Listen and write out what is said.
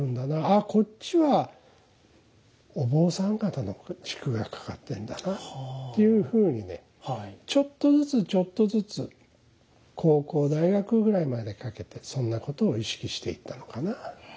あこっちはお坊さん方の軸が掛かってんだなっていうふうにねちょっとずつちょっとずつ高校大学ぐらいまでかけてそんなことを意識していったのかな。